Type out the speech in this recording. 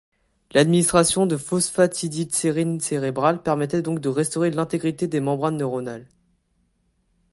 L'administration de phosphatidylsérine cérébrale permettrait donc de restaurer l'intégrité des membranes neuronales.